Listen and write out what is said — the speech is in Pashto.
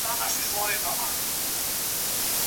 څېړنه د نارام ذهن سره سمه نه ترسره کېږي.